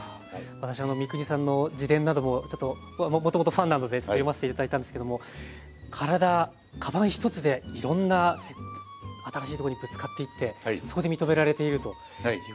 私三國さんの自伝などもちょっともともとファンなのでちょっと読ませて頂いたんですけども体かばん１つでいろんな新しいとこにぶつかっていってそこで認められているという感じでそのチャレンジ